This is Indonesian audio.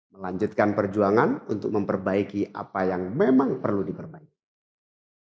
melanjutkan perjuangan untuk memperbaiki apa yang memang perlu diperbaiki